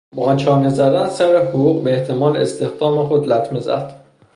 با چانه زدن سر حقوق به احتمال استخدام خود لطمه زد.